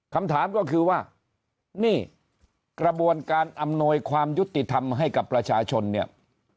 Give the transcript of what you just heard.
คำถามก็คือว่านี่กระบวนการอำนวยความยุติธรรมให้กับประชาชนเนี่ย